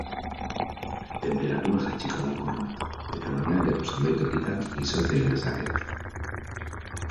Tenperatura jaitsiko da apur bat eta barnealdeko zenbait tokitan izotza egin dezake.